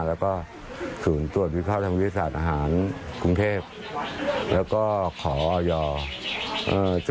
แล้วก็ศูนย์ตรวจวิภาคทางวิทยาศาสตร์อาหารกรุงเทพแล้วก็ขอออย